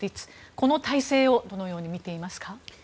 この体制をどのように見ていますか。